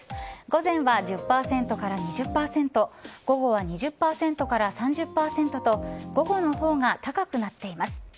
午前は１０％から２０％午後は２０％から３０％と午後の方が高くなっています。